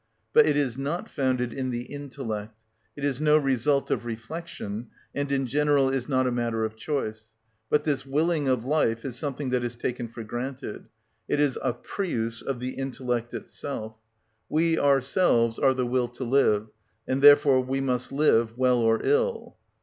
But it is not founded in the intellect, it is no result of reflection, and in general is not a matter of choice; but this willing of life is something that is taken for granted: it is a prius of the intellect itself. We ourselves are the will to live, and therefore we must live, well or ill.